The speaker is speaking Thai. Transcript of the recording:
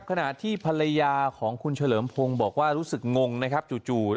ขณะที่ภรรยาของคุณเฉลิมพงศ์บอกว่ารู้สึกงงนะครับจู่